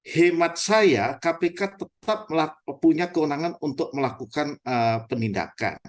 hemat saya kpk tetap punya kewenangan untuk melakukan penindakan